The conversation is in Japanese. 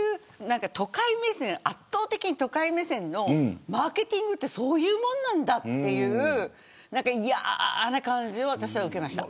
圧倒的、都会目線のマーケティングってそういうもんなんだという嫌な感じを、私は受けました。